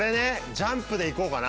ジャンプでいこうかな。